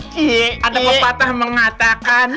cie ada kok patah mengatakan